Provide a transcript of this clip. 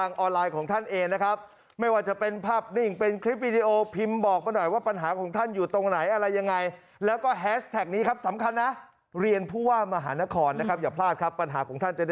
ก็รอชมกันเลยค่ะ